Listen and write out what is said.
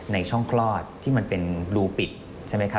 ในช่องคลอดที่มันเป็นรูปิดใช่ไหมครับ